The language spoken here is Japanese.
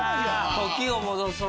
「時を戻そう」。